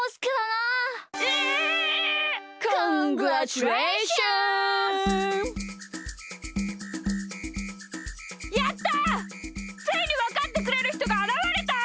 ついにわかってくれるひとがあらわれた！